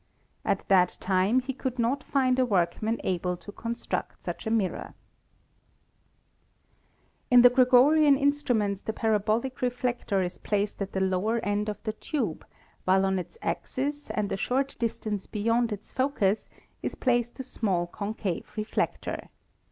At that time he could not find a workman able to construct such a mirror. METHODS OF OBSERVATION 19 In the Gregorian instruments the parabolic reflector is placed at the lower end of the tube, while on its axis and a short distance beyond its focus is placed a small concave reflector.